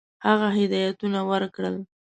هغه هدایتونه ورکړل.